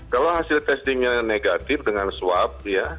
kalau hasil testingnya negatif dengan swab ya